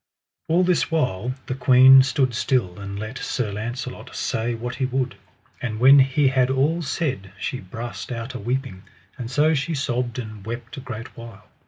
All this while the queen stood still and let Sir Launcelot say what he would. And when he had all said she brast out a weeping, and so she sobbed and wept a great while.